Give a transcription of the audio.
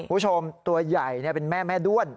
ผู้ชมตัวใหญ่เป็นแม่ด้วน